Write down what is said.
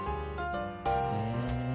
ふん。